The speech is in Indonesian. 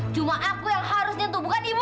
cuma aku yang harus nyentuh bukan ibu